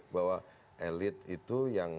bahwa elit itu yang